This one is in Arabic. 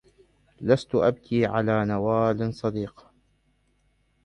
لست أبكي على نوال صديق